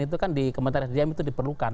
itu kan di kementerian sdm itu diperlukan